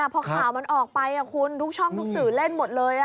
พอข่าวมันออกไปคุณทุกช่องทุกสื่อเล่นหมดเลย